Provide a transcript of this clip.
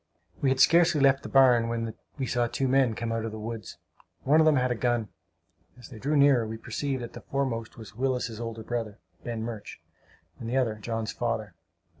We had scarcely left the barn when we saw two men come out of the woods. One of them had a gun. As they drew nearer, we perceived that the foremost was Willis's older brother, Ben Murch, and the other John's father.